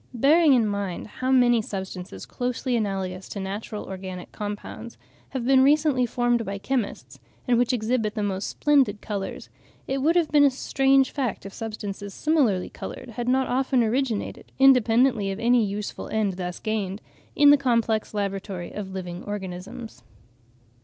Bearing in mind how many substances closely analogous to natural organic compounds have been recently formed by chemists, and which exhibit the most splendid colours, it would have been a strange fact if substances similarly coloured had not often originated, independently of any useful end thus gained, in the complex laboratory of living organisms.